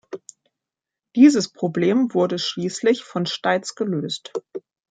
Dieses Problem wurde schließlich von Steitz gelöst.